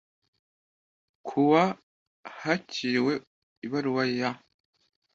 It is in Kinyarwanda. Ku wa hakiriwe ibaruwa ya